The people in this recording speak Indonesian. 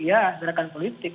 ya gerakan politik